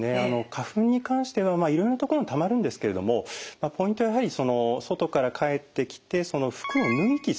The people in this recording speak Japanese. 花粉に関してはいろいろな所にたまるんですけれどもポイントはやはり外から帰ってきて服を脱ぎ着する所かと思いますね。